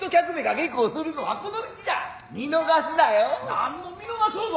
何の見逃そうぞ。